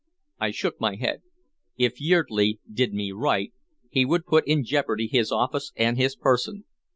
I shook my head. "If Yeardley did me right, he would put in jeopardy his office and his person.